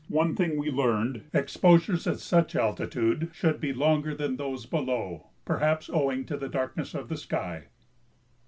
One thing we learned: exposures at such altitude should be longer than those below, perhaps owing to the darkness of the sky.